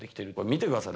見てください。